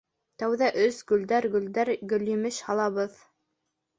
— Тәүҙә өс гөлдөр-гөлдөр гөлйемеш һалабыҙ.